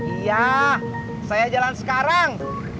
iya saya jalan sekarang